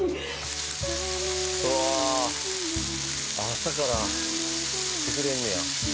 朝から作ってくれんねや。